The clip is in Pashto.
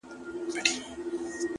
گوره ځوانـيمـرگ څه ښـه وايــي.